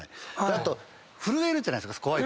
あと震えるじゃないですか怖いとき。